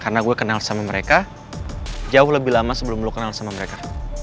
karena gue kenal sama mereka jauh lebih lama sebelum lo kenal sama mereka